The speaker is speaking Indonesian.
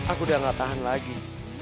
aku udah gak tahan lagi